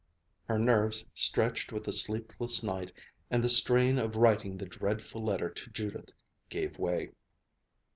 Her nerves, stretched with the sleepless night and the strain of writing the dreadful letter to Judith, gave way.